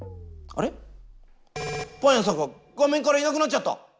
あれパン屋さんが画面からいなくなっちゃった！